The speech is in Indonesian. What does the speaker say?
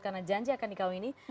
karena janji akan dikawini